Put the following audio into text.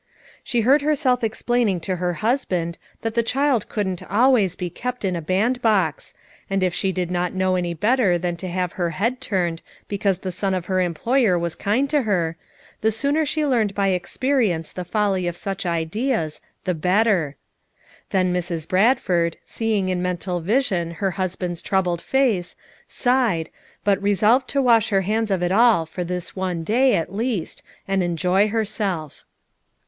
She heard herself explain ing to her husband that the child couldn't al ways be kept in a bandbox, and if she did not know any better than to have her head turned because the son of her employer was kind to her, the sooner she learned by experience the FOUK MOTHERS AT CHAUTAUQUA 297 folly of such ideas, the Letter. Then Mrs. Bradford, seeing in mental vision her hus band's troubled face, sighed, but resolved to wash her hands of it all for this one day, at least, and enjoy herself.